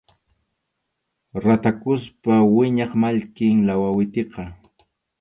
Ratakuspa wiñaq mallkim lakawitiqa.